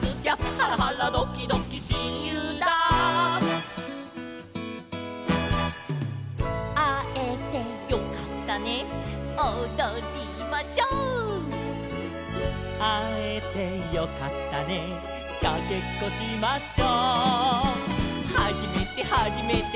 「ハラハラドキドキしんゆうだ」「あえてよかったねおどりましょう」「あえてよかったねかけっこしましょ」「はじめてはじめて」